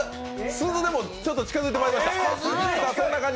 鈴、ちょっと近づいてまいりました。